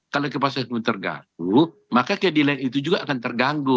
kalau kepastian terganggu maka keadilan itu juga akan terganggu